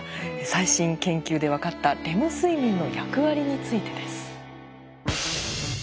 最新研究で分かったレム睡眠の役割についてです。